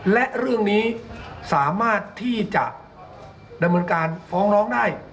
และเรื่องนี้สามารถที่จะดำเนินการฟ้องร้องได้